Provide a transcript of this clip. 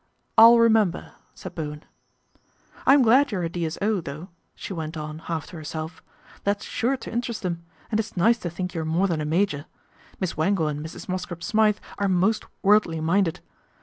" I'll remember," said Bowen. " I'm glad you're a D.S.O., though," she went on, half to herself, " that's sure to interest them, and it's nice to think you're more than a major. Miss Wangle anc Mrs. Mosscrop Smythe are most worldly minded.